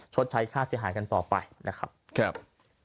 ชดใช้ค่าเสียหายกันต่อไปนะครับ